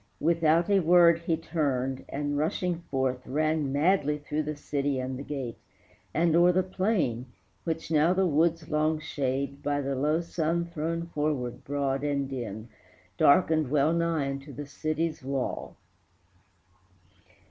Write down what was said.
Without a word he turned, and, rushing forth, Ran madly through the city and the gate, And o'er the plain, which now the wood's long shade, By the low sun thrown forward broad and dim, Darkened wellnigh unto the city's wall.